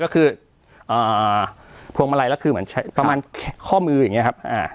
ก็คือพวงมาลัยแล้วคือเหมือนใช้ประมาณข้อมืออย่างนี้ครับ